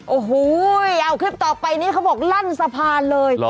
โอ้โหเอาคลิปต่อไปนี้เขาบอกลั่นสะพานเลย